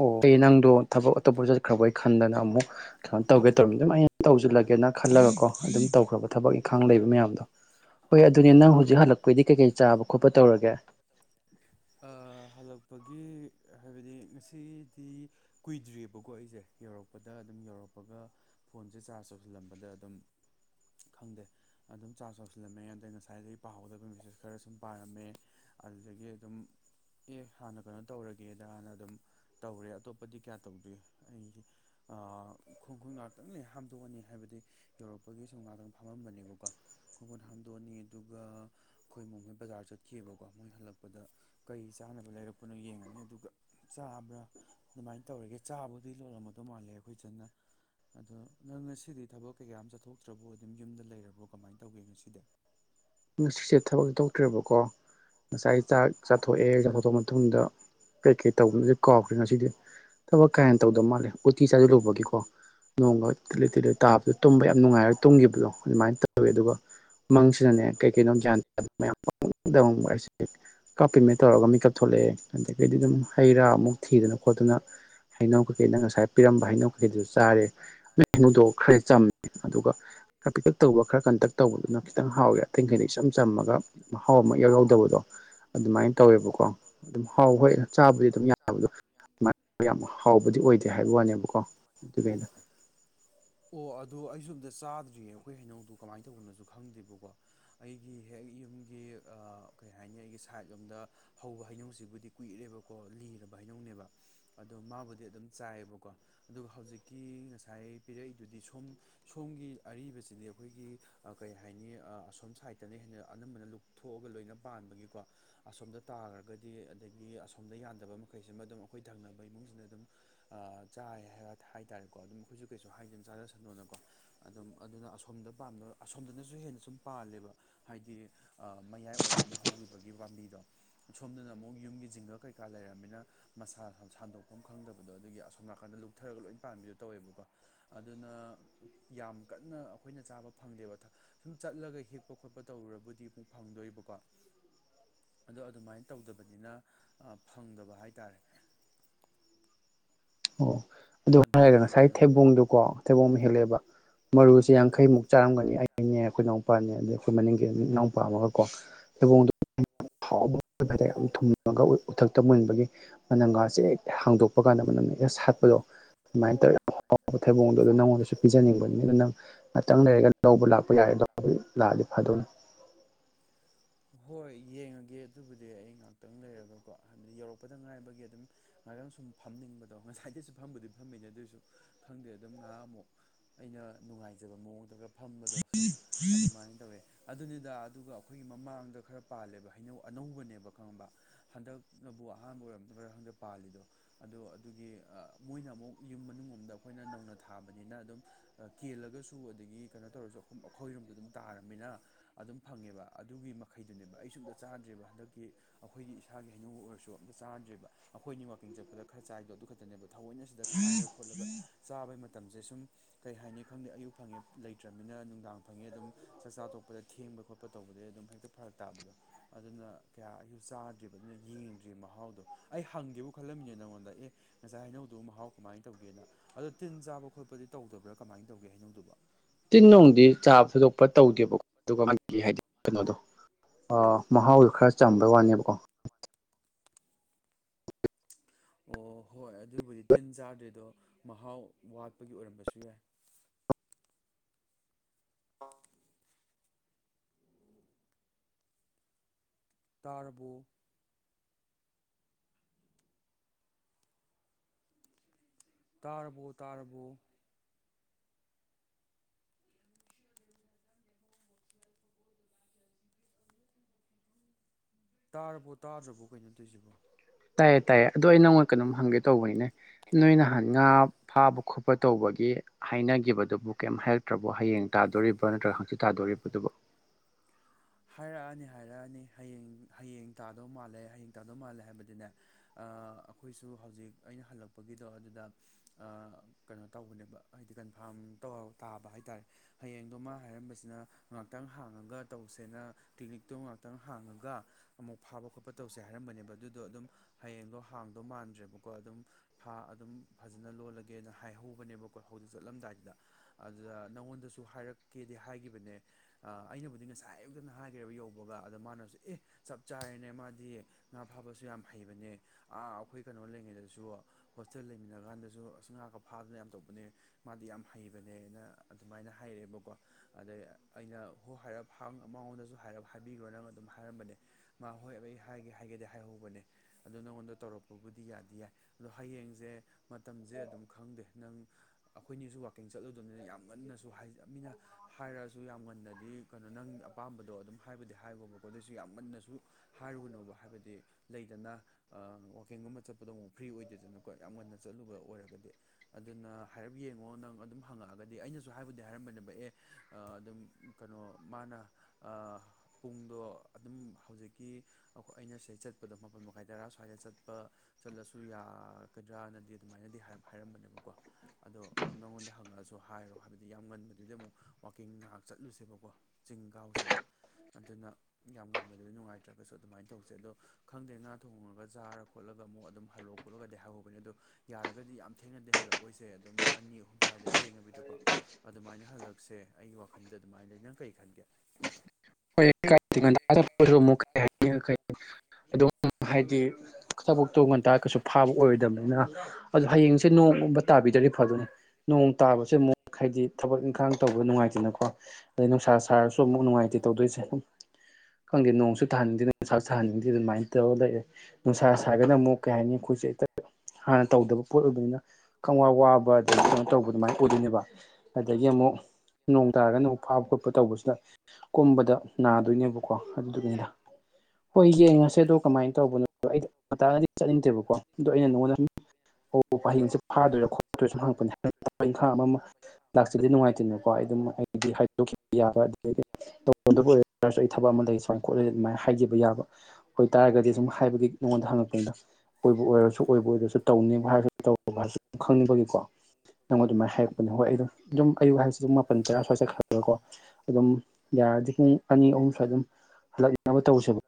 ꯑꯣ ꯑꯩ ꯅꯪꯗꯣ ꯊꯕꯛ ꯑꯇꯣꯞꯄ ꯆꯠꯈ꯭ꯔꯕꯣꯏ ꯈꯟꯗꯅ ꯑꯃꯨꯛ ꯀꯩꯅꯣ ꯇꯧꯒꯦ ꯇꯧꯔꯝꯃꯤ ꯑꯗꯨꯃꯥꯏ ꯇꯧꯁꯤꯜꯂꯒꯦꯅ ꯈꯜꯂꯒꯀꯣ ꯑꯗꯨꯝ ꯇꯧꯈ꯭ꯔꯕ ꯊꯕꯛ ꯏꯪꯈꯥꯡ ꯂꯩꯕ ꯃꯌꯥꯝꯗꯣ ꯍꯣꯏ ꯑꯗꯨꯅꯦ ꯅꯪ ꯍꯧꯖꯤꯛ ꯍꯜꯂꯛꯄꯩꯗꯤ ꯀꯩꯀꯩ ꯆꯥꯕ ꯈꯣꯠꯄ ꯇꯧꯔꯒꯦ ꯑꯥ ꯍꯜꯂꯛ ꯄꯒꯤ ꯍꯥꯏꯕꯗꯤ ꯉꯁꯤꯒꯤꯗꯤ ꯀꯨꯏꯗ꯭ꯔꯤꯑꯕꯀꯣ ꯑꯩꯁꯦ ꯌꯧꯔꯛꯄꯗ ꯑꯗꯨꯝ ꯌꯧꯔꯞ ꯍꯥꯞꯄꯒ ꯐꯣꯟꯁꯦ ꯆꯥꯔꯖ ꯇꯧꯁꯤꯜꯂꯝꯕꯗ ꯑꯗꯨꯝ ꯈꯪꯗꯦ ꯑꯗꯨꯝ ꯆꯥꯔꯖ ꯇꯧꯁꯤꯜꯂꯝꯃꯦ ꯑꯗꯩ ꯉꯁꯥꯏꯗꯒꯤ ꯄꯥꯍꯧꯗꯕ ꯃꯦꯁꯦꯁ ꯈꯔ ꯁꯨꯝ ꯄꯥꯔꯝꯃꯦ ꯑꯗꯨꯗꯒꯤ ꯑꯗꯨꯝ ꯑꯦ ꯍꯥꯟꯅ ꯀꯩꯅꯣ ꯇꯧꯔꯒꯦꯅ ꯍꯥꯟꯅ ꯑꯗꯨꯝ ꯇꯧꯔꯦ ꯑꯇꯣꯞꯄꯗꯤ ꯀꯌꯥ ꯇꯧꯗꯦ ꯑꯩꯁ ꯈꯣꯡꯈꯨꯟ ꯉꯥꯛꯇꯪꯅꯦ ꯍꯥꯝꯗꯣꯛꯑꯅꯤ ꯍꯥꯏꯕꯗꯤ ꯌꯧꯔꯛꯄꯒꯤ ꯁ ꯉꯅꯥꯇꯪ ꯐꯝꯃꯝꯕꯅꯦꯕꯀꯣ ꯈꯣꯡꯒꯨꯜ ꯍꯥꯝꯗꯣꯛꯑꯅꯤ ꯑꯗꯨꯒ ꯑꯩꯈꯣꯏ ꯃꯣꯃꯣꯏ ꯕꯖꯥꯔ ꯆꯠꯈꯤꯑꯕꯀꯣ ꯃꯣꯏ ꯍꯜꯂꯛꯄꯗ ꯀꯔꯤ ꯆꯥꯅꯕ ꯂꯩꯔꯛꯄꯅꯣ ꯌꯦꯡꯉꯅꯤ ꯑꯗꯨꯒ ꯆꯥꯕ꯭ꯔꯥ ꯑꯗꯨꯃꯥꯏꯅ ꯇꯧꯔꯒꯦ ꯆꯥꯕꯨꯗꯤ ꯂꯣꯜꯂꯝꯃꯗꯧ ꯃꯥꯜꯂꯦ ꯑꯩꯈꯣꯏ ꯆꯅ ꯑꯗꯣ ꯅꯪ ꯉꯁꯤꯗꯤ ꯊꯕꯛ ꯀꯌꯥ ꯑꯃ ꯆꯠꯊꯣꯛꯇ꯭ꯔꯕꯣ ꯑꯗꯨꯝ ꯌꯨꯝꯗ ꯂꯩꯔꯕ꯭ꯔꯣ ꯀꯃꯥꯏꯅ ꯇꯧꯒꯦ ꯉꯁꯤꯗꯤ ꯉꯁꯤꯁꯦ ꯊꯕꯛꯁ ꯇꯧꯇ꯭ꯔꯕꯀꯣ ꯉꯁꯥꯏ ꯆꯥꯛ ꯆꯥꯊꯣꯛꯑꯦ ꯆꯥꯊꯣꯛꯣꯛꯑ ꯃꯇꯨꯡꯗ ꯀꯩꯀꯩ ꯇꯧꯕꯅꯗꯤ ꯀꯥꯎꯈ꯭ꯔꯦ ꯉꯁꯤꯗꯤ ꯊꯕꯛ ꯀꯥꯏꯅ ꯇꯧꯗꯧ ꯃꯥꯜꯂꯦ ꯎꯇꯤ ꯆꯥꯁꯨ ꯂꯨꯧꯕꯒꯤꯀꯣ ꯅꯣꯡꯒ ꯇꯤꯂꯩ ꯇꯤꯜꯂꯩ ꯇꯥꯕꯗ ꯇꯨꯝꯕ ꯌꯥꯝ ꯅꯨꯡꯉꯥꯏꯔ ꯇꯨꯝꯈꯤꯕꯗꯣ ꯑꯗꯨꯃꯥꯏꯅ ꯇꯧꯋꯦ ꯑꯗꯨꯒ ꯃꯪꯁꯤꯅꯅꯦ ꯍꯦꯛ ꯀꯩ ꯀꯩꯅꯣ ꯭ꯌꯥꯟꯁꯦ ꯀꯥꯞ ꯄꯤꯃꯦꯠ ꯇꯧꯔꯒ ꯃꯀꯞ ꯊꯣꯛꯂꯛꯑꯦ ꯑ ꯑꯗꯨꯝ ꯍꯩ ꯔꯥ ꯑꯃꯨꯛ ꯊꯤꯗꯅ ꯈꯣꯠꯇꯅ ꯍꯩꯅꯧ ꯀꯩꯀꯩꯅ ꯉꯁꯥꯏ ꯄꯤꯔꯝꯕ ꯍꯩꯅꯧ ꯀꯩꯀꯩꯗꯨꯁꯨ ꯆꯥꯔꯦ ꯅ ꯍꯩꯅꯨꯗꯣꯛ ꯈ꯭ꯔꯦ ꯆꯝ ꯑꯗꯨꯒ ꯈꯔ ꯄꯤꯛꯀꯞ ꯇꯧꯕ ꯈꯔ ꯀꯟꯇꯛ ꯇꯧꯕꯗꯨꯅ ꯈꯤꯇꯪ ꯍꯥꯎꯋꯦ ꯑꯇꯩꯦꯡꯈꯩꯗ ꯏꯆꯝ ꯆꯝꯃꯒ ꯃꯍꯥꯎ ꯑꯃ ꯌꯥꯎꯍꯧꯗꯕꯗꯣ ꯑꯗꯨꯃꯥꯏꯅ ꯇꯧꯋꯦꯕꯀꯣ ꯑꯗꯨꯝ ꯍꯥꯎ ꯍꯣꯏ ꯆꯥꯕꯨꯗꯤ ꯑꯗꯨꯝ ꯌꯥꯕꯗꯣ ꯌꯥꯝ ꯍꯥꯎꯕꯗꯤ ꯑꯣꯏꯗꯦ ꯍꯥꯏꯕ ꯋꯥꯅꯦꯕꯀꯣ ꯑꯗꯨꯒꯤꯩꯅ [unintelligible] ꯑꯣ ꯑꯗꯨꯗꯣ ꯑꯩꯁꯨ ꯑꯝꯇ ꯆꯥꯗ꯭ꯔꯤꯉꯩ ꯑꯩꯈꯣꯏ ꯍꯩꯅꯧꯗꯨ ꯀꯃꯥꯏꯅ ꯇꯧꯕꯅꯁꯨ ꯈꯪꯗꯦꯕꯀꯣ ꯑꯩꯒꯤ ꯍꯦꯛ ꯌꯨꯝꯒꯤ ꯀꯩ ꯍꯥꯏꯅꯤ ꯑꯩꯒꯤ ꯁꯥꯏꯠ ꯂꯣꯝꯗ ꯍꯧꯕ ꯍꯩꯅꯧꯁꯤꯕꯨꯗꯤ ꯀꯨꯏꯔꯦꯕꯀꯣ ꯂꯤꯔꯕ ꯍꯩꯅꯧꯅꯦꯕ ꯑꯗꯣ ꯃꯥꯕꯨꯗꯤ ꯑꯗꯨꯝ ꯆꯥꯏꯌꯦꯕꯀꯣ ꯑꯗꯨꯒ ꯍꯧꯖꯤꯛꯀꯤ ꯉꯁꯥꯏ ꯄꯤꯔꯛꯏꯗꯨꯗꯤ ꯁꯣꯝ ꯁꯣꯝꯒꯤ ꯑꯔꯤꯕꯁꯤꯗꯤ ꯑꯩꯈꯣꯏꯒꯤ ꯀꯩ ꯍꯥꯏꯅꯤ ꯑꯁꯣꯝ ꯁꯥꯏꯗꯠꯇꯅ ꯑꯅꯝꯕꯅ ꯂꯨꯞꯊꯣꯛꯑꯒ ꯂꯣꯏꯅ ꯄꯥꯟꯕꯒꯤꯀꯣ ꯑꯁꯣꯝꯗ ꯇꯥꯈ꯭ꯔꯒꯗꯤ ꯑꯗꯒꯤ ꯑꯁꯣꯝꯗ ꯌꯥꯗꯕ ꯃꯈꯩꯃ ꯑꯗꯨꯝ ꯑꯩꯈꯣꯏ ꯊꯪꯅꯕ ꯏꯃꯨꯡꯁꯤꯅ ꯑꯗꯨꯝ ꯆꯥꯏ ꯍꯥꯏꯇꯥꯥꯔꯦꯀꯣ ꯑꯗꯨꯝ ꯑꯩꯣꯏꯁꯨ ꯀꯩꯁꯨ ꯍꯥꯏꯗꯅ ꯆꯥꯔꯁꯅꯣꯅꯀꯣ ꯑꯗꯨꯝ ꯑꯗꯨꯅ ꯑꯁꯣꯝꯗ ꯄꯥꯝꯅꯕ ꯑꯁꯣꯝꯗꯅꯁꯨ ꯍꯦꯟꯅ ꯁꯨꯝ ꯄꯥꯜꯂꯦꯕ ꯍꯥꯏꯗꯤ ꯑ ꯃꯌꯥꯏ ꯑꯣꯏꯔꯞꯅ ꯍꯧꯈꯤꯕꯒꯤ ꯄꯥꯝꯕꯤꯗꯣ ꯁꯣꯝꯗꯅ ꯑꯃꯨꯛ ꯌꯨꯝꯒꯤ ꯖꯤꯡꯒ ꯀꯩꯀꯥ ꯂꯩꯔꯃꯤꯅ ꯃꯁꯥ ꯁꯟꯗꯣꯛꯐꯝ ꯈꯪꯗꯕꯗꯣ ꯑꯗꯨꯒꯤ ꯑꯁꯣꯝ ꯅꯥꯀꯟꯗ ꯂꯨꯞꯊꯔꯒ ꯂꯣꯏꯅ ꯄꯥꯟꯕꯤꯁꯨꯣ ꯇꯧꯋꯦꯕꯀꯣ ꯑꯗꯨꯅ ꯌꯥꯝ ꯀꯟꯅ ꯑꯩꯈꯣꯏꯅ ꯆꯥꯕ ꯐꯪꯗꯦꯕ ꯁꯨꯝ ꯆꯠꯂꯒ ꯍꯦꯛꯄ ꯈꯣꯠꯄ ꯈꯣꯠꯄ ꯇꯧꯔꯕꯗꯤ ꯑꯃꯨꯛ ꯐꯪꯗꯣꯏꯕꯀꯣ ꯑꯗꯣ ꯑꯗꯨꯃꯥꯏꯅ ꯇꯧꯗꯕꯅꯤꯅ ꯐꯪꯗꯕ ꯍꯥꯏꯇꯥꯔꯦ ꯑꯣ ꯑꯗꯨ ꯍꯥꯏꯔꯒ ꯑꯗꯨꯒꯤ ꯉꯁꯥꯏ ꯀꯩꯅꯣ ꯊꯩꯕꯣꯡꯗꯨꯀꯣ ꯊꯩꯕꯣꯡ ꯍꯦꯜꯂꯛꯑꯦꯕ ꯃꯔꯨꯁꯦ ꯌꯥꯡꯈꯩꯃꯨꯛ ꯆꯥꯔꯝꯒꯅꯤ ꯑꯩꯅꯦ ꯑꯩꯈꯣꯏꯅꯥꯎꯄꯥꯅꯦ ꯑꯗ ꯑꯩꯈꯣꯏ ꯃꯅꯤꯡꯒꯤ ꯏꯅꯥꯎꯄꯥ ꯑꯃꯒꯀꯣ ꯣꯡꯗ ꯍꯥꯎꯕ ꯍꯥꯏ ꯌꯥꯝ ꯊꯨꯝꯃꯒ ꯎꯊꯛꯇ ꯃꯟꯕꯒꯤ ꯃꯅꯒꯥꯥꯁꯦ ꯍ ꯍꯥꯡꯗꯣꯛꯄ ꯀꯥꯟꯗ ꯁꯥꯥꯛꯠꯄꯣ ꯑꯗꯨꯃꯥꯏꯅ ꯇꯧꯔ ꯊꯕꯣꯡꯗꯣ ꯑꯗꯨ ꯅꯪꯉꯣꯟꯗꯁꯨ ꯄꯤꯖꯅꯤꯡꯕꯅꯤ ꯑꯗꯨ ꯅꯪ ꯉꯥꯛꯇꯪ ꯂꯩꯔꯒ ꯂꯧꯕ ꯂꯥꯛꯄ ꯌꯥꯏꯗ ꯂꯥꯜꯂꯤ ꯐꯗꯅꯤ ꯍꯣꯏ ꯌꯦꯡꯉꯒꯦ ꯑꯗꯨꯕꯨꯗꯤ ꯑꯩ ꯉꯥꯏꯍꯥꯛꯇꯪ ꯂꯩꯔꯒꯀꯣ ꯍꯥꯏꯕꯗꯤ ꯌꯧꯔꯛꯄꯗ ꯉꯥꯏꯕꯒꯤ ꯑꯗꯨꯝ ꯉꯥꯏꯍ ꯈꯤꯇꯪ ꯁꯨꯝ ꯐꯝꯅꯤꯡꯕꯗꯣ ꯉꯁꯥꯏꯗꯩꯁꯨ ꯐꯝꯕꯗꯤ ꯐꯝꯃꯤꯅꯦ ꯑꯗꯨꯑꯣꯏꯁꯨ ꯈꯪꯗꯦ ꯑꯗꯨꯝ ꯉꯥꯏꯍꯥꯛ ꯑꯃꯨꯛ ꯑꯩꯅ ꯅꯨꯡꯉꯥꯏꯖꯕ ꯃꯑꯣꯡꯗꯒ ꯐꯝꯕꯗꯣ ꯁꯨꯝ ꯑꯗꯨꯃꯥꯏꯅ ꯇꯧꯋꯦ ꯑꯗꯨꯅꯤꯗ ꯑꯗꯨꯒ ꯑꯩꯈꯣꯏꯒꯤ ꯃꯃꯥꯡꯗ ꯈꯔ ꯄꯥꯜꯂꯦꯕ ꯍꯩꯅꯧ ꯑꯅꯧꯕꯅꯦꯕ ꯈꯪꯕ ꯍꯟꯗꯛ ꯅꯕꯨ ꯑꯍꯥꯟꯕ ꯑꯣꯏꯔꯝꯗ ꯈꯔ ꯍꯪꯗꯛ ꯄꯥꯜꯂꯤꯗꯣ ꯑꯗꯣ ꯑꯗꯨꯒꯤ ꯃꯣꯏꯅ ꯑꯃꯨꯛ ꯌꯨꯝ ꯃꯅꯨꯡ ꯑꯃꯗ ꯑꯩꯈꯣꯏꯅ ꯅꯧꯅ ꯊꯥꯕꯅꯤꯅ ꯑꯗꯨꯝ ꯀꯦꯜꯂꯒꯁꯨ ꯑꯗꯒꯤ ꯀꯩꯅꯣ ꯇꯧꯔꯁꯨ ꯑꯩꯈꯣꯏꯔꯣꯝꯗ ꯑꯗꯨꯝ ꯇꯥꯔꯕꯃꯤꯅ ꯑꯗꯨꯝ ꯐꯪꯉꯦꯕ ꯑꯗꯨꯒꯤ ꯃꯈꯩꯗꯨꯅꯦꯕ ꯑꯩ ꯁꯨꯝꯗ ꯆꯥꯗ꯭ꯔꯦꯕ ꯍꯟꯗꯛꯀꯤ ꯑꯩꯈꯣꯏꯒꯤ ꯏꯁꯥꯒꯤ ꯍꯩꯅꯧ ꯑꯣꯏꯔꯁꯨ ꯑꯝꯇ ꯆꯥꯗ꯭ꯔꯤꯕ ꯑꯩꯈꯣꯏꯅꯤ ꯋꯀꯤꯡ ꯆꯠꯄꯗ ꯈꯔ ꯆꯥꯏꯗꯣ ꯑꯗꯨꯒ ꯅꯦꯕ ꯊꯑꯣꯏꯅ ꯁꯤꯗ ꯈꯥꯏꯔ ꯈꯣꯠꯂꯒ ꯆꯥꯕꯩ ꯃꯇꯝꯁꯦ ꯁꯨꯝ ꯀꯩ ꯍꯥꯏꯅꯤ ꯈꯪꯗꯦ ꯑꯌꯨꯛꯪꯉꯦ ꯂꯩꯇ꯭ꯔꯕꯅꯤꯅ ꯆꯗꯥꯥꯡ ꯐꯪꯉꯤ ꯑꯗꯨꯝ ꯆꯥꯛꯆꯥ ꯇꯣꯛꯄꯗ ꯊꯦꯡꯕ ꯈꯣꯠꯄ ꯇꯧꯕꯗꯩ ꯑꯗꯨꯝ ꯍꯦꯛꯇ ꯐꯔꯛ ꯇꯥꯕꯗꯣ ꯑꯗꯨꯅ ꯀꯌꯥ ꯑꯩꯁꯨ ꯆꯥꯗ꯭ꯔꯤꯕ ꯑꯗꯨꯅ ꯌꯦꯡꯗ꯭ꯔꯤ ꯃꯍꯥꯎꯗꯣ ꯑꯩ ꯍꯪꯒꯦꯕꯨ ꯈꯜꯂꯝꯃꯤꯅꯦ ꯅꯪꯉꯣꯟꯗ ꯑꯦ ꯉꯁꯥꯏ ꯍꯥꯏꯩꯅꯧꯗꯕꯨ ꯃꯍꯥꯎ ꯅ ꯇꯧꯒꯦꯅꯤꯟ ꯆꯥ ꯈꯄ ꯇꯕ꯭ꯔꯥ ꯀꯃꯥꯏꯅ ꯇꯧꯒꯦ ꯍꯥꯏꯩꯅꯧꯗꯨꯕ ꯇꯤꯟ ꯅꯨꯡꯗꯤ ꯆꯥꯕ ꯊꯣꯏꯗꯣꯛꯄ ꯇꯧꯗꯦꯕꯀꯣ ꯑꯗꯨꯒ ꯍꯥꯏꯗꯤ ꯀꯩꯅꯣꯗꯣ ꯃꯍꯥꯎꯗꯨꯣ ꯈꯔ ꯆꯝꯕꯩ ꯋꯥꯅꯦꯕꯀꯣ ꯑꯣ ꯍꯣꯏ ꯑꯗꯨꯕꯨꯗꯤ ꯇꯤꯟ ꯆꯥꯗ꯭ꯔꯤꯗꯣ ꯃꯍꯥꯎ ꯋꯥꯠꯄꯒꯤ ꯑꯣꯏꯔꯝꯕꯁꯨ ꯌꯥꯏ [unintelligible] ꯑ ꯇꯥꯕꯨ ꯇꯥꯔꯕꯧ ꯇꯥꯔꯕꯧ ꯇꯥꯔꯕꯣ ꯇꯥꯗ꯭ꯔꯕꯣ ꯀꯩꯅꯣ ꯇꯣꯏꯁꯤꯕꯣ ꯇꯥꯏꯌꯦ ꯇꯥꯏꯌꯦ ꯑꯗꯣ ꯑꯩ ꯅꯪꯉ ꯀꯩꯅꯣꯝ ꯍꯪꯒꯦ ꯇꯧꯕꯅꯤꯅꯦ ꯅꯣꯏ ꯅꯍꯥꯟ ꯉꯥ ꯐꯥꯕ ꯈꯣꯠꯄ ꯇꯧꯕꯒꯤ ꯍꯥꯏꯅꯈꯤꯕꯗꯨꯕꯨ ꯀꯩꯝ ꯍꯥꯏꯔꯛꯇ꯭ꯔꯕꯣ ꯍꯌꯦꯡ ꯇꯥꯗꯣꯔꯤꯕ꯭ꯔꯥ ꯅꯠꯇ꯭ꯔꯒ ꯍꯪꯆꯤꯠ ꯇꯥꯗꯣ ꯗꯨꯕꯣ [unintelligible] ꯍꯥꯏꯔꯛꯑꯅꯤ ꯍꯥꯏꯔꯛꯑꯅꯤ ꯍꯌꯦꯡ ꯍꯌꯦꯡ ꯇꯥꯗꯧ ꯃꯥꯜꯂꯦ ꯍꯌꯦꯡ ꯇꯥꯗꯧ ꯃꯥꯜꯂꯦ ꯍꯥꯏꯕꯗꯨꯅꯦ ꯑꯩꯈꯣꯏꯁꯨ ꯍꯧꯖꯤꯛ ꯑꯩꯅ ꯍꯜꯂꯛꯄꯒꯤꯗꯣ ꯑꯗꯨꯗ ꯀꯩꯅꯣ ꯇꯧꯕꯅꯦꯕ ꯍꯥꯏꯗꯤ ꯀꯩꯅꯣ ꯇꯥꯕ ꯍꯥꯏꯇꯥꯔꯦ ꯍꯌꯦꯡꯗꯣ ꯃꯥ ꯍꯥꯏꯔꯝꯕꯁꯤꯅ ꯉꯍꯥꯛꯇꯪ ꯍꯥꯡꯉꯒ ꯇꯧꯁ ꯐꯅ ꯀ꯭ꯂꯤꯅꯤꯛꯇꯣ ꯉꯥꯛꯇꯪ ꯍꯥꯡꯉꯒ ꯑꯃꯨꯛ ꯐꯥꯕ ꯈꯣꯠꯄ ꯇꯧꯁꯦ ꯍꯥꯏꯔꯝꯕꯅꯦꯕ ꯑꯗꯨꯗꯣ ꯑꯗꯨꯝ ꯍꯌꯦꯡ ꯃꯦ ꯑꯗꯨ ꯐꯖꯒꯦ ꯍꯥꯏꯍꯧꯕꯅꯦꯕ ꯍꯧ ꯆꯠꯂꯝꯗꯥ ꯑꯗꯨꯉꯣꯟ ꯍꯥꯏꯔꯛꯀꯦ ꯍꯥꯏꯅꯦ ꯑꯩꯅꯕꯨ ꯉꯥꯏꯨꯛꯇꯅ ꯍꯥꯏꯈ꯭ꯔꯦꯕ ꯌꯧꯕꯒ ꯑꯗꯣ ꯃꯥꯅꯁꯨ ꯑꯦ ꯆꯞ ꯆꯥꯔꯦꯅꯦ ꯃꯥꯗꯤ ꯉꯥ ꯐꯥꯕꯁꯨ ꯌꯥꯝ ꯍꯩꯕꯅꯤ ꯥ ꯑꯩꯈꯣꯏ ꯀꯩꯅꯣ ꯂꯩꯔꯤꯉꯩꯗꯁꯨ ꯍꯣꯁꯇꯦꯜ ꯂꯩꯃꯤꯟꯅ ꯀꯥꯟꯗꯁꯨ ꯑꯁ ꯉꯍꯥꯛꯀ ꯐꯥꯗꯅ ꯌꯥꯝ ꯇꯧꯕꯅꯦ ꯃꯥꯗꯤ ꯌꯥꯝ ꯍꯩꯕꯅꯦꯅ ꯑꯗꯨꯃꯥꯏꯅ ꯍꯩꯔꯦꯕꯀꯣ ꯑꯗꯩ ꯑꯩꯅ ꯍꯣ ꯍꯥꯏꯔꯞ ꯑꯃꯥꯎꯣꯟꯗꯁꯨ ꯍꯥꯏꯕꯤꯈ꯭ꯔꯣ ꯅꯪ ꯑꯗꯨꯝ ꯍꯥꯏꯔꯝꯕꯅꯦ ꯃꯥ ꯍꯣꯏ ꯑꯩ ꯍꯥꯏꯒꯦ ꯍꯥꯏꯒꯦꯗꯦ ꯍꯥꯏꯍꯧꯕꯅꯦ ꯑꯗꯣ ꯅꯪꯉꯣꯟꯗ ꯇꯧꯔꯛꯄꯕꯨꯗꯤ ꯌꯥꯗꯤ ꯌꯥꯏ ꯑꯗꯣ ꯍꯌꯦꯡꯁꯦ ꯃꯇꯝꯁꯦ ꯑꯗꯨꯝ ꯈꯪꯗꯦ ꯅꯪ ꯑꯩꯈꯣꯏꯅꯤꯁꯨ ꯋꯥꯛꯀꯤꯡ ꯆꯠꯂꯨꯗꯕꯅꯤꯅ ꯌꯥꯝ ꯉꯟꯅꯁꯨ ꯍꯥꯏꯕ ꯃꯤꯅ ꯍꯥꯏꯔꯛꯑꯁꯨ ꯌꯥꯝ ꯉꯟꯅ ꯀꯩꯅꯣ ꯅꯪ ꯑꯄꯥꯝꯕꯗꯣ ꯑꯗꯨꯝ ꯍꯥꯏꯕꯗꯤ ꯍꯥꯏꯌꯨꯕꯀꯣ ꯑꯗꯁꯨ ꯌꯥꯝ ꯉꯟꯅꯁꯨ ꯍꯥꯏꯔꯨꯒꯅꯣꯕ ꯍꯥꯏꯕꯗꯤ ꯂꯩ ꯐꯖꯅ ꯋꯥꯋꯀꯤꯡꯒꯨꯝꯕ ꯆꯠꯄꯗꯣ ꯑꯃꯨꯛ ꯐ꯭ꯔꯤ ꯑꯣꯏꯗꯦꯗꯅꯀꯣ ꯌꯥꯝ ꯉꯟꯅ ꯆꯠꯂꯨꯕ ꯑꯣꯏꯔꯒꯗꯤ ꯑꯗꯨꯅ ꯍꯥꯏꯔꯞ ꯌꯦꯡꯉꯣ ꯅꯪ ꯑꯗꯨꯝ ꯍꯪꯉꯛꯑꯒꯗꯤ ꯑꯩꯅꯁꯨ ꯍꯥꯏꯕꯨꯗꯤ ꯍꯥꯏꯔꯝꯕꯅꯦꯕ ꯑꯦ ꯑꯗꯨꯝ ꯀꯩꯅꯣ ꯃꯥꯅ ꯄꯨꯡꯗꯣ ꯑꯗꯨꯝ ꯍꯧꯖꯤꯛꯀꯤ ꯑꯩꯈ ꯑꯩꯅ ꯁꯤꯗ ꯆꯠꯄꯗ ꯃ ꯃꯈꯥꯏ ꯇꯔꯥ ꯁ꯭ꯋꯥꯏꯗ ꯆꯠꯄ ꯆꯠꯂꯁꯨ ꯌꯥꯒꯗ꯭ꯔꯅꯗꯤ ꯑꯗꯨꯃꯥꯏꯅꯗꯤ ꯍꯥꯏꯔꯝꯕꯅꯦꯕꯀꯣ ꯑꯗꯣ ꯅꯪꯉꯣꯟꯗ ꯍꯪꯉꯛꯑꯁꯨ ꯍꯥꯏꯔꯣ ꯍꯥꯏꯕꯗꯤ ꯌꯥꯝ ꯉꯟꯕꯗꯨꯗꯤ ꯑꯃꯨꯛ ꯋꯥꯥꯛꯀꯤꯡ ꯉꯥꯏꯍꯥꯛ ꯆꯠꯂꯨꯁꯦꯕꯀꯣ ꯆꯤꯡꯒꯥꯎꯁꯦꯕ ꯑꯗꯨꯅ ꯌꯥꯝ ꯉꯟꯕꯗꯗꯤ ꯅꯨꯡꯉꯥꯏꯇ꯭ꯔꯒꯁꯨ ꯑꯗꯨꯃꯥꯏꯅ ꯇꯧꯁꯦ ꯑꯗꯣ ꯈꯪꯗꯦ ꯉꯥꯔ ꯊꯣꯡꯉꯒ ꯆꯥꯔ ꯈꯣꯠꯂꯒ ꯑꯃꯨꯛ ꯑꯗꯨꯝ ꯍꯜꯂꯛꯑꯣ ꯈꯣꯠꯂꯒꯗꯤ ꯍꯥꯏꯍꯧꯕꯅꯦ ꯑꯗꯣ ꯌꯥꯔꯒꯗꯤ ꯌꯥꯝ ꯊꯦꯡꯅꯗꯤ ꯍꯜꯂꯛꯑꯣꯏꯁꯦ ꯑꯗꯨꯝ ꯑꯅꯤ ꯑꯍꯨꯝ ꯁ꯭ꯋꯥꯏꯗ ꯊꯦꯡꯉꯕꯤꯗꯀꯣ ꯑꯗꯨꯃꯥꯏꯅ ꯍꯜꯂꯛꯁꯦ ꯑꯩꯒꯤ ꯋꯥꯈꯟꯗ ꯑꯗꯨꯃꯥꯏꯅ ꯂꯩ ꯅꯪ [unintelligible] ꯍꯣꯏ ꯑꯗꯨ ꯍꯥꯏꯗꯤ ꯊꯕꯛ ꯇꯨ ꯉꯟ ꯇꯔ ꯀꯁꯨ ꯐꯥꯕ ꯑꯣꯏꯔꯣꯏꯗꯕꯅꯤꯅ ꯑꯗꯨꯗꯣ ꯍꯌꯦꯡꯁꯦ ꯅꯣꯡꯕ ꯇꯥꯕꯤꯗ ꯅꯣꯡ ꯇꯥꯕꯁꯤ ꯍꯥꯏꯗꯤ ꯊꯕꯛ ꯏꯪꯈꯥꯡ ꯇꯧꯕ ꯅꯨꯡꯉꯥꯏꯇꯗꯅꯀꯣ ꯑꯗꯩ ꯅꯨꯡꯁꯥ ꯁꯥ ꯅꯨꯡꯉꯥꯏꯇꯦ ꯇꯧꯗꯣꯏꯁꯦ ꯈꯪꯗꯦ ꯅꯣꯡꯁꯨꯥꯍꯟꯗ ꯅꯨꯡꯁꯥꯅꯤꯡꯗꯤ ꯑꯗꯨꯃꯥꯏꯅ ꯇꯧꯔꯒ ꯂꯩꯔꯦ ꯅꯨꯡꯁꯥ ꯁꯥꯒꯗꯅ ꯑꯃꯨꯛ ꯀꯩ ꯍꯥꯏꯅꯤ ꯑꯩꯈꯣꯏ ꯍꯥꯟꯅ ꯇꯧꯗꯕ ꯄꯣꯠ ꯑꯣꯏꯕꯅꯤꯅ ꯈꯪꯋꯥ ꯋꯥꯕ ꯑꯗꯒꯤ ꯀꯩꯅꯣ ꯇꯧꯕ ꯑꯗꯨꯃꯥꯏꯅ ꯑꯣꯏꯗꯣꯏꯅꯦꯕ ꯑꯗꯒꯤ ꯑꯃꯨꯛ ꯅꯣꯡ ꯇꯥꯔꯒ ꯑꯃꯨꯛ ꯐꯥꯕ ꯈꯣꯠꯄ ꯇꯧꯕꯁꯤꯗ ꯅꯥꯗꯣꯏꯅꯦꯕꯀꯣ ꯑꯗꯨꯗꯨꯗ ꯍꯣꯏ ꯉꯁꯤꯗꯣ ꯀꯃꯥꯏꯅ ꯇꯧꯕꯅꯣꯗꯣ ꯑꯩ ꯃꯇꯥꯡꯗꯗꯤ ꯆꯠꯅꯤꯡꯗꯦꯕꯀꯣ ꯑꯗꯣ ꯑꯩꯅ ꯅꯉꯣꯟꯗ ꯑꯣ ꯄꯥꯍꯡꯁꯦ ꯐꯥꯗꯣꯏꯔꯥ ꯈꯣꯠꯇꯣꯏꯔ ꯁꯨꯝ ꯍꯪꯉꯛꯄꯅꯤꯈꯥꯡ ꯑꯃ ꯑꯃ ꯂꯥꯛꯆꯗꯤ ꯅꯨꯡꯉꯥꯏꯇꯣꯏꯅꯦꯀꯣꯝ [unintelligible] ꯑꯩꯗꯤ ꯍꯥꯏꯗꯣꯛꯈꯤꯕ ꯌꯥꯕ ꯑꯗꯨꯗꯤ [unintelligible] ꯇꯧꯒꯗꯕ ꯑꯣꯏꯔꯔꯁꯨ ꯑꯩ ꯊꯕꯛ ꯑꯃ ꯂꯩ ꯁꯨꯃꯥꯏꯅ ꯈꯣꯠꯂ ꯑꯗꯨꯃꯥꯏꯅ ꯍꯥꯏꯖꯕ ꯌꯥꯕ ꯑꯣꯏꯇꯥꯥꯔꯒꯗꯤ ꯁꯨꯝ ꯍꯥꯏꯕꯒꯤ ꯅꯉꯣꯟꯗ ꯍꯪꯉꯛꯄꯅꯤꯗ ꯑꯣꯏꯕꯨ ꯑꯣꯏꯔꯁꯨ ꯑꯣꯏꯕꯨ ꯑꯣꯏꯗꯔꯁꯨ ꯇꯧꯅꯤꯡꯕ ꯍꯥꯏꯔꯒ ꯇ ꯁꯨꯝ ꯈꯪꯅꯤꯡꯕꯒꯤꯀꯣ ꯅꯪ ꯑꯗꯨꯃꯥꯏꯅ ꯍꯥꯏꯔꯛꯄꯅꯦ ꯍꯣꯏ ꯑꯩ ꯑꯗꯨꯝ ꯌꯨꯝ ꯍꯩꯕ ꯍꯥꯏꯁꯤꯗꯤ ꯑꯗꯨꯝ ꯃꯥꯄꯜ ꯇꯔꯥ ꯁ꯭ꯋꯥꯏꯗꯈꯜꯂꯒꯀꯣ ꯑꯗꯨꯝ ꯑꯅꯤ ꯑꯍꯨꯝ ꯁꯨ ꯑꯗꯨꯝ ꯍꯂꯛꯅꯕ ꯇꯧꯁꯦꯕ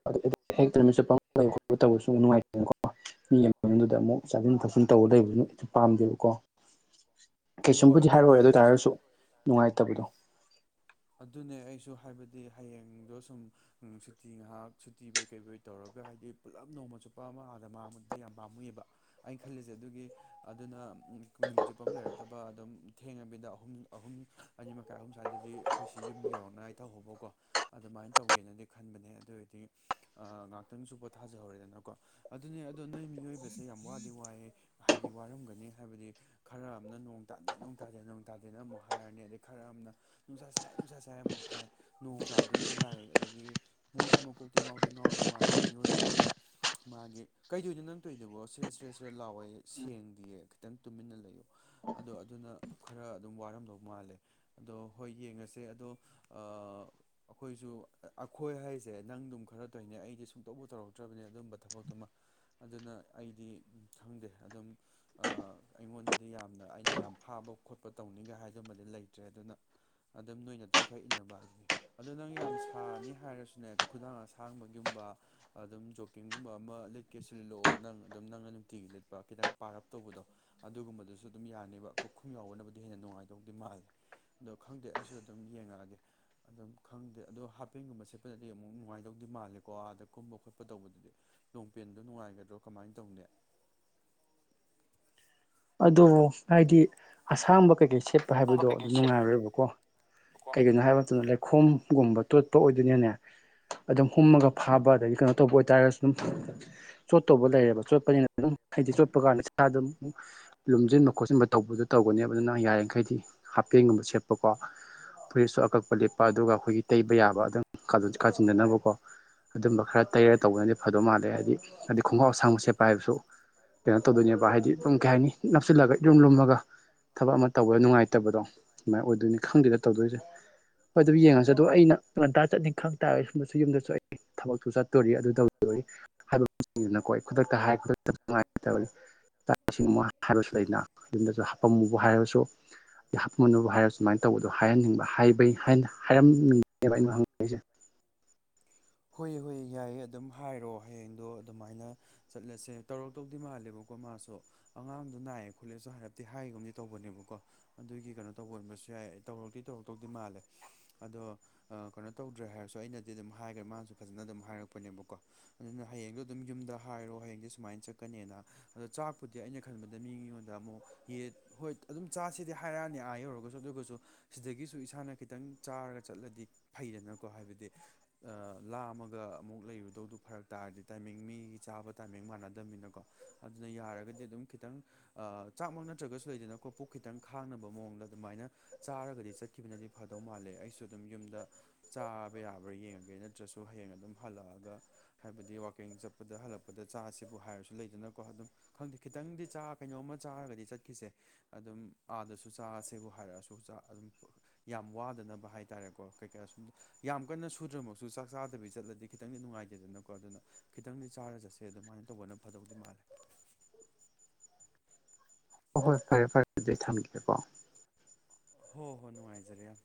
ꯠ ꯇꯧꯕꯁꯨ ꯅꯨꯡꯉꯥꯏꯇꯦꯅꯀꯣ ꯃꯤꯗꯨꯗ ꯑꯃꯨꯛ ꯆꯥꯁꯤꯟ ꯊꯛꯁꯤꯟ ꯇꯧꯕ ꯂꯩꯕ [unintelligible] ꯄꯥꯝꯗꯦꯕꯀꯣ ꯍ [unintelligible] ꯀꯩꯁꯨꯝꯕꯨꯗꯤ ꯍꯥꯏꯔꯣꯏꯑꯣꯏ ꯑꯗꯨ ꯑꯣꯏꯇꯥꯔꯁꯨ ꯅꯨꯡꯉꯥꯏꯇꯕꯗꯣ ꯑꯗꯨꯅꯦ ꯑꯩꯁꯨ ꯍꯥꯏꯕꯗꯤ ꯍꯌꯦꯡꯗꯣ ꯁꯨꯝ ꯁꯨꯇꯤ ꯉꯥꯏꯍꯥꯛ ꯁꯨꯇꯤꯕꯣꯏ ꯀꯩꯕꯣꯏ ꯇꯧꯔꯒ ꯍꯥꯏꯗꯤ ꯄꯨꯜꯂꯞ ꯅꯣꯡꯃ ꯆꯨꯞꯄ ꯑꯃ ꯑꯥꯗ ꯃꯥꯡꯕꯗꯨꯗ ꯌꯥꯝ ꯄꯥꯝꯃꯨꯏꯑꯕ ꯑꯩꯅ ꯈꯜꯂꯤꯁꯦ ꯑꯗꯨꯒꯤ ꯑꯗꯨꯅ ꯅꯨꯃꯤꯠ ꯆꯨꯞꯄꯝ ꯑꯃꯥ ꯂꯩꯔꯒ ꯇꯕ ꯑꯗꯨꯝ ꯊꯦꯡꯉꯕꯤꯗ ꯑꯍꯨꯝ ꯑꯍꯨꯝ ꯑꯅꯤ ꯃꯈꯥꯏ ꯑꯍꯨꯝ ꯁ꯭ꯋꯥꯏꯗꯗꯤ ꯑꯩꯈꯣꯏꯁꯤ ꯌꯨꯝ ꯌꯧꯔꯛꯅꯉꯥꯏ ꯇꯧꯍꯧꯕꯀꯣ ꯑꯗꯨꯃꯥꯏꯅ ꯇꯧꯒꯦꯅꯗꯤ ꯈꯟꯕꯅꯦ ꯑꯗꯨ ꯑꯣꯏꯔꯗꯤ ꯑꯥ ꯉꯥꯛꯇ ꯇꯪꯁꯨ ꯄꯣꯊꯥꯖꯍꯧꯔꯦꯗꯅꯀꯣ ꯑꯗꯨꯅꯦ ꯑꯗꯣ ꯅꯣꯏ ꯃꯤꯑꯣꯏꯕꯁꯦ ꯌꯥꯝ ꯋꯥꯗꯤ ꯋꯥꯏꯑꯦ ꯍꯥꯏꯗꯤ ꯋꯥꯔꯝꯒꯅꯤ ꯍꯥꯏꯕꯗꯤ ꯈꯔ ꯑꯃꯅ ꯅꯣꯡ ꯇꯥꯗꯦ ꯅꯣꯡ ꯇꯥꯗꯦ ꯅꯣꯡ ꯇꯥꯗꯦꯅ ꯑꯃꯨꯛ ꯍꯥꯏꯔꯅꯤ ꯑꯗꯩ ꯈꯔ ꯑꯃꯅ ꯅꯨꯡꯁꯥ ꯁ ꯂꯥꯏ ꯅꯨꯡꯁꯥ ꯆꯥꯏ ꯑꯃꯨꯛ ꯍꯥꯏ ꯅꯣꯡ ꯇꯥꯗꯣꯔꯤꯕ ꯂꯥꯏ ꯑꯗꯒꯤ ꯃꯣꯏꯁꯨꯨꯀꯣꯛꯇꯤꯡ ꯉꯥꯎꯇ ꯉꯥꯎꯗꯧ ꯃꯥꯜꯂ ꯃꯤꯑꯣꯏꯕꯒꯤ ꯃꯥꯒꯤ ꯀꯩꯗꯧꯅꯣ ꯅꯪ ꯇꯣꯏꯗꯕꯣ ꯁꯔꯦ ꯁꯔꯦ ꯁꯔꯦ ꯂꯥꯎꯑꯣꯦ ꯁꯦꯡꯗꯤꯌꯦ ꯅꯪ ꯇꯨꯃꯤꯟꯅ ꯂꯩꯌꯣ ꯑꯗꯣ ꯑꯗꯨꯅ ꯈꯔꯥ ꯑꯗꯨꯝ ꯋꯥꯔꯝꯗꯧ ꯃꯥꯜꯂꯦ ꯑꯗꯣ ꯍꯣꯏ ꯌꯦꯡꯉꯁꯤ ꯁꯦ ꯑꯗꯣ ꯑꯥ ꯑꯩꯈꯣꯏꯁꯨ ꯑꯩꯈꯣꯏ ꯍꯥꯏꯁꯦ ꯅꯪ ꯑꯗꯨꯝ ꯈꯔ ꯇꯧꯅꯦ ꯑꯩꯗꯤ ꯁꯨꯡꯇꯧꯕꯕꯨ ꯇꯧꯔꯛꯇ꯭ꯔꯕꯅꯤ ꯑꯗꯨꯝꯕ ꯊꯕꯛꯇꯨꯃ ꯑꯗꯨꯅ ꯑꯩꯗꯤ ꯈꯪꯗꯦ ꯑꯗꯨꯝ ꯑꯩꯉꯣꯟꯗꯗꯤ ꯌꯥꯝꯅ ꯑꯩꯅ ꯌꯥꯝ ꯐꯥꯕ ꯈꯣꯠꯄ ꯇꯧꯅꯤꯒꯥ ꯍꯥꯏꯗꯨꯃꯗꯤ ꯂꯩꯇ꯭ꯔꯦ ꯑꯗꯨꯅ ꯑꯗꯨꯝ ꯅꯣꯏꯅ ꯑꯗꯨꯝ ꯈꯔ ꯏꯟꯅꯕ ꯍꯥꯏꯗꯨꯅꯦ ꯑꯗꯣ ꯅꯪ ꯌꯥꯝ ꯁꯥꯔꯅꯤ ꯍꯥꯏꯔꯁꯨꯅꯦ ꯈꯨꯗꯥꯡ ꯑꯁꯥꯡꯕꯒꯤꯨꯝꯕ ꯑꯗꯨꯝ ꯖꯣꯀꯤꯡꯒꯨꯝꯕ ꯑꯃ ꯂꯤꯠꯀꯦ ꯁꯤ ꯂꯤꯠꯂꯛꯑꯣ ꯅꯪ ꯑꯗꯨꯝ ꯅꯪꯅ ꯅꯨꯡꯇꯤꯒꯤ ꯂꯤꯠꯄ ꯈꯤꯇꯪ ꯄꯥꯔꯞ ꯇꯧꯕ ꯑꯗꯨꯒꯨꯝꯕꯗꯨꯁꯨ ꯑꯗꯨꯝ ꯌꯥꯅꯦꯕ ꯀꯣꯛꯈꯨꯝ ꯌꯥꯎꯕꯅꯕꯕꯨꯗꯤ ꯍꯦꯟꯅ ꯅꯨꯡꯉꯥꯏꯇꯕꯗꯤ ꯃꯥꯜꯂꯦ ꯑꯗꯣ ꯈꯪꯗꯦ ꯑꯩꯁꯨ ꯁꯨ ꯑꯗꯨꯝ ꯌꯦꯡꯉꯛꯑꯒꯦ ꯑꯗꯨꯝ ꯈꯪꯗꯦ ꯑꯗꯣ ꯍꯥꯄꯦꯟꯒꯨꯝꯕ ꯁꯦꯠꯄꯗꯗꯤ ꯑꯃꯨꯛ ꯅꯨꯡꯉꯥꯏꯗꯧꯗꯤ ꯃꯥꯜꯂꯦꯀꯣ ꯑꯗ ꯀꯨꯝꯕ ꯈꯣꯠꯄ ꯇꯧꯕꯗꯨꯗꯤ ꯂꯣꯡꯄꯦꯟꯗꯣ ꯅꯨꯡꯉꯥꯏꯒꯗ꯭ꯔꯣ ꯀꯃꯥꯏꯅ ꯇꯧꯅꯤ ꯑꯗꯨ ꯍꯥꯏꯗꯤ ꯑꯁꯥꯡꯕ ꯀꯩꯀꯩ ꯁꯦꯠꯄ ꯍꯥꯏꯕꯗꯣ ꯑꯗꯨ ꯅꯨꯡꯉꯥꯏꯔꯣꯏꯕꯀꯣ ꯀꯩꯒꯤꯅꯣ ꯍꯥꯏꯕ ꯃꯇꯝꯗ ꯂꯩꯈꯣꯝꯒꯨꯝꯕ ꯇꯣꯠꯄ ꯑꯣꯏꯗꯣꯏꯅꯤꯅꯦ ꯑꯗꯨꯝ ꯍꯨꯝꯃꯒ ꯐꯥꯕ ꯑꯗꯒꯤ ꯀꯩꯅꯣ ꯇꯧꯕ ꯑꯣꯏꯇꯥꯔꯒꯁꯨ ꯑꯗꯨꯝ ꯆꯣꯠꯇꯧꯕ ꯂꯩꯔꯦꯕ ꯆꯣꯠꯄꯅꯤꯅ ꯑꯗꯨꯝ ꯍꯥꯏꯗꯤ ꯆꯣꯠꯄ ꯀꯥꯟꯗ ꯏꯁꯥꯗ ꯑꯃꯨꯛ ꯂꯨꯝꯁꯤꯟꯕ ꯈꯣꯠꯆꯤꯟꯕ ꯇꯧꯕꯗꯣ ꯇꯧꯒꯅꯦꯕ ꯑꯗꯨꯅ ꯌꯥꯔꯤꯃꯈꯩꯗꯤ ꯍꯥꯞꯄꯦꯟꯒꯨꯝꯕ ꯁꯦꯠꯄꯀꯣ ꯐꯨꯔꯤꯠꯁꯨ ꯑꯀꯛꯄ ꯂꯤꯠꯄ ꯑꯗꯨꯒ ꯑꯩꯈꯣꯏꯒꯤ ꯇꯩꯕ ꯌꯥꯕ ꯑꯗꯨꯝ ꯀꯥꯁꯤꯟꯗꯅꯕ ꯀꯣ ꯑꯗꯨꯝꯕ ꯈꯔ ꯇꯩꯔ ꯇꯧꯕꯅꯗꯤ ꯐꯗꯧ ꯃꯥꯜꯂꯦ ꯍꯥꯏꯗꯤ ꯍꯥꯏꯗꯤ ꯈꯣꯡꯒ꯭ꯔꯥꯎ ꯑꯁꯥꯡꯕ ꯁꯦꯠꯄꯥ ꯍꯥꯏꯔꯁꯨ ꯀꯩꯅꯣ ꯇꯧꯗꯣꯏꯅꯦꯕ ꯍꯥꯏꯗꯤ ꯑꯗꯨꯝ ꯀꯩ ꯍꯥꯏꯅꯤ ꯅꯞꯁꯤꯜꯂꯒ ꯏꯔꯨꯝ ꯂꯨꯝꯃꯒ ꯊꯕꯛ ꯑꯃ ꯇꯧꯕꯗ ꯅꯨꯡꯉꯥꯏꯇꯕꯗꯣ ꯑꯗꯨꯃꯥꯏꯅ ꯑꯣꯏꯗꯣꯏꯅꯤ ꯈꯪꯗꯦꯅ ꯇꯧꯗꯣꯏꯁꯦ ꯍꯣꯏ ꯑꯗꯨ ꯌꯦꯡꯉꯁꯤ ꯑꯗꯣ ꯑꯩꯅ ꯉꯟꯇꯥ ꯆꯠꯅꯤ ꯈꯪ ꯇꯥꯔꯒ ꯁꯣꯝꯗꯁꯨ ꯌꯨꯝꯗꯁꯨ ꯑꯩ ꯊꯕꯛꯇꯨ ꯆꯠꯇꯣꯔꯤ ꯑꯗꯨ ꯍꯥꯏꯅ ꯈꯨꯗꯛꯇ ꯍꯥꯏ ꯈꯨꯅꯨꯡꯉꯥꯏ [unintelligible] ꯕ ꯍꯥꯏꯕꯁꯨ ꯂꯩꯅ ꯌꯨꯝꯗꯁꯨ ꯍꯥꯄꯝꯃꯨꯕ ꯍꯥꯏꯔꯁꯨ [unintelligible] ꯍꯥꯞꯝꯅꯨꯕꯨ ꯍꯥꯏꯔꯁꯨ ꯁꯨꯃꯥꯏꯅ ꯇꯧꯕꯗꯣ ꯍꯥꯏꯍꯟꯅꯤꯡꯕ ꯍꯥꯏ ꯍꯥꯏꯔꯝꯅꯤꯡꯦꯕ ꯑꯩꯅ ꯍꯪꯅꯤꯡꯁꯦ [inaudible] ꯍꯣꯏ ꯍꯣꯏ ꯌꯥꯏꯌꯦ ꯑꯗꯨꯝ ꯍꯥꯏꯔꯣ ꯍꯌꯦꯡꯗꯣ ꯑꯗꯨꯃꯥꯏꯅ ꯆꯠꯂꯁꯦ ꯇꯧꯔꯛꯇꯧꯗꯤ ꯃꯥꯜꯂꯦꯕꯀꯣ ꯃꯥꯁꯨ ꯑꯉꯥꯡꯗꯣ ꯅꯥꯏꯌꯦ ꯈꯨꯠꯂꯦꯁꯨ ꯍꯥꯏꯔꯞꯗꯤ ꯍꯥꯏꯒꯨꯝꯗꯤ ꯇꯧꯕꯅꯦꯕꯀꯣ ꯑꯗꯨꯒꯤ ꯀꯩꯅꯣ ꯇꯧꯕ ꯑꫭꯏꯔꯝꯕꯁꯨ ꯌꯥꯏ ꯇꯧꯔꯛꯇꯦ ꯇꯧ ꯇꯧ ꯇꯧꯗꯤ ꯃꯥꯜꯂꯦ ꯑꯗꯣ ꯀꯩꯅꯣ ꯇꯧꯗ꯭ꯔꯦ ꯍꯥꯏꯔꯁꯨ ꯑꯩꯅ ꯀꯣ ꯑꯗꯨꯅ ꯍꯌꯦꯡꯖꯨ ꯑꯗꯨ ꯌꯨꯝꯗ ꯍꯥꯏꯔꯣ ꯍꯌꯦꯡꯁ‌ꯦ ꯁꯨꯃꯥꯏꯅ ꯆꯠꯀꯅꯦꯅ ꯑꯗꫭ ꯆꯥꯛꯄꯨꯗꯤ ꯑꯩꯅ ꯈꯟꯕꯗ ꯃꯤ ꯑꯩꯉꯣꯟꯗ ꯑꯃꯨꯛ ꯌꯦꯠ ꯍꯣꯏ ꯑꯗꯨꯝ ꯆꯥꯔꯁꯤꯗꯤ ꯍꯥꯏꯔꯛꯑꯅꯤ ꯑꯥ ꯌꯧꯔꯒꯁꯨ ꯑꯗꯨꯒꯁꯨ ꯁꯤꯗꯒꯤꯁꯨ ꯏꯁꯥꯅ ꯈꯤꯇꯪ ꯆꯥꯔꯒ ꯆꯠꯂꯗꯤ ꯐꯩꯗꯅꯀꯣ ꯍꯥꯏꯕꯗꯤ ꯂꯥꯝꯃꯒ ꯑꯃꯨꯛ ꯂꯩꯕꯗꯧꯗꯨ ꯐꯔꯛ ꯇꯥꯔꯗꯤ ꯇꯥꯏꯃꯤꯡ ꯃꯤꯒꯤ ꯆꯥꯕ ꯇꯥꯏꯃꯤꯡ ꯃꯥꯟꯅꯗꯕꯅꯤꯅꯀꯣ ꯑꯗꯨꯅ ꯌꯥꯔꯒꯗꯤ ꯑꯗꯨꯝ ꯈꯤꯇꯪ ꯆꯥꯛ ꯅ꯭ꯔꯒꯁꯨ ꯂꯩꯗꯅꯀ ꯄꯨꯛ ꯈꯤꯇꯪ ꯈꯥꯡꯅꯕ ꯃꯑꯣꯡꯗ ꯑꯗꯨꯃꯅ ꯆꯔ ꯀꯗꯤ ꯆꯠꯈꯤꯕꯅꯗꯤ ꯐꯗꯧ ꯃꯥꯜꯂꯦ ꯑꯩꯁꯨ ꯑꯗꯨꯝ ꯌꯨꯝꯗ ꯆꯥꯕ ꯌꯥꯕ꯭ꯔꯥ ꯌꯦꯡꯉꯒꯦ ꯅꯠꯇ꯭ꯔꯁꯨ ꯍꯌꯦꯡ ꯑꯗꯨꯝ ꯍꯜꯂꯛꯑꯒ ꯍꯥꯏꯕꯗꯤ ꯋꯥꯋꯀꯤꯡ ꯆꯠꯄꯗ ꯍꯜꯂꯛꯄꯗ ꯆꯥꯁꯤꯕꯨ ꯍꯥꯏꯔꯁꯨ ꯂꯩꯗꯅꯀꯣ ꯑꯗꯨꯝ ꯈꯪ ꯈꯤꯇꯪꯗꯤ ꯆꯥ ꯀꯩꯅꯣꯝꯃ ꯆꯥꯔꯒꯗꯤ ꯆꯠꯈꯤꯁꯦ ꯑꯗꯨꯝ ꯑꯥꯗꯁꯨ ꯆꯥꯔꯁꯦꯕꯨ ꯍꯥꯏꯔꯛꯑꯁꯨ ꯆ ꯌꯥꯝ ꯋꯥꯗꯅꯕ ꯍꯥꯏꯇꯥꯔꯦꯀꯣ ꯀꯩꯀꯥ ꯁꯨꯝ ꯌꯥꯝ ꯀꯟꯅ ꯁꯨꯗ꯭ꯔꯃꯛꯁꯨ ꯆꯥꯛ ꯆꯥꯗꯕꯤ ꯆꯠꯂꯗꯤ ꯈꯤꯇꯪꯗꯤ ꯅꯨꯡꯉꯥꯏꯇꯦꯗꯅꯀꯣ ꯑꯗꯨꯅ ꯈꯤꯇꯪꯗꯤ ꯆꯥꯔ ꯆꯠꯁꯦ ꯑꯗꯨꯃꯥꯏꯅ ꯇꯧꯕꯅ ꯐꯗꯧꯗꯤ ꯃꯥꯜꯂꯦ꯫ ꯍꯣꯏ ꯐꯔꯦ-ꯐꯔꯦ ꯑꯗꯨꯗꯤ ꯊꯝꯒꯦꯀꯣ꯫ ꯍꯣꯏ-ꯍꯣꯏ ꯅꯨꯡꯉꯥꯏꯖꯔꯦ ꯌꯥꯝ꯫